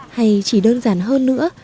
hay chỉ đơn giản hơn nữa